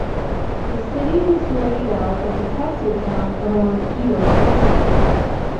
The city was laid out as a castle town around Edo Castle.